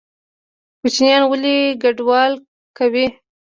کوچیان ولې کډوالي کوي؟